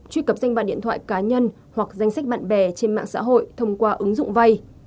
truy cập danh bạ điện thoại cá nhân hoặc danh sách bạn bè trên mạng xã hội thông qua ứng dụng vay